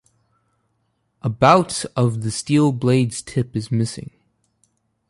About of the steel blade's tip is missing.